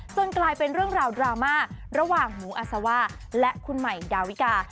กลายเป็นเรื่องราวดราม่าระหว่างหมูอาซาว่าและคุณใหม่ดาวิกา